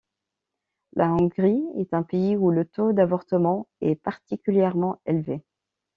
La Hongrie est un pays où le taux d'avortements est particulièrement élevé.